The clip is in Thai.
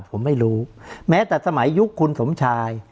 ผมไม่รู้แม้แต่สมัยยุคคุณสมชาย